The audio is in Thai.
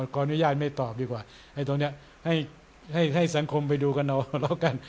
กรณียาไม่ตอบดีกว่าให้ตรงเนี้ยให้ให้ให้สังคมไปดูกันแล้วกัน